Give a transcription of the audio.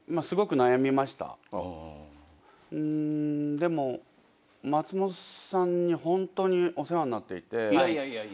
でも松本さんにホントにお世話になっていて。